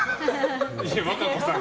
和歌子さん。